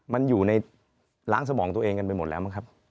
มันอยู่ในล้างสมองตัวเองกันไปหมดแล้วมั้งครับ